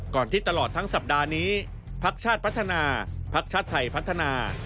ที่ตลอดทั้งสัปดาห์นี้พักชาติพัฒนาภักดิ์ชาติไทยพัฒนา